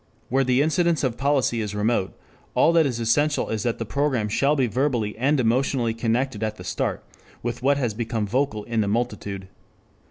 Where the incidence of policy is remote, all that is essential is that the program shall be verbally and emotionally connected at the start with what has become vocal in the multitude.